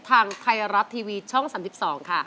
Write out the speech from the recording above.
ทางไทยรัฐทีวีช่อง๓๒ค่ะ